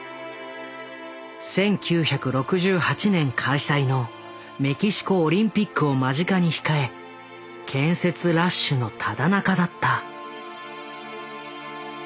１９６８年開催のメキシコオリンピックを間近に控え建設ラッシュのただ中だった。